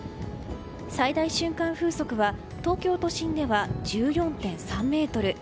最大瞬間風速は東京都心では１４．３メートル。